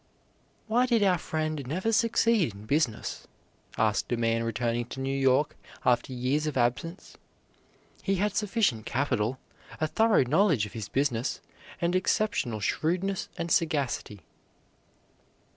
"Why did our friend never succeed in business?" asked a man returning to New York after years of absence; "he had sufficient capital, a thorough knowledge of his business, and exceptional shrewdness and sagacity."